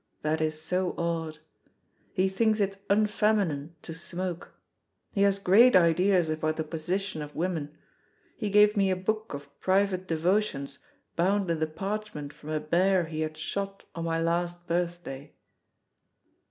That is so odd. He thinks it unfeminine to smoke. He has great ideas about the position of women. He gave me a book of private devotions bound in the parchment from a bear he had shot on my last birthday."